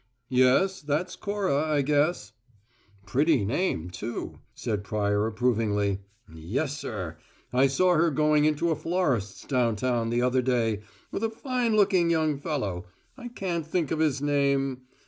"Yes, that's Cora, I guess." "Pretty name, too," said Pryor approvingly. "Yes sir. I saw her going into a florist's, downtown, the other day, with a fine looking young fellow I can't think of his name.